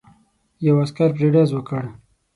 یو عسکر پرې ډز وکړ.